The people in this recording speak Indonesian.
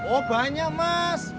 oh banyak mas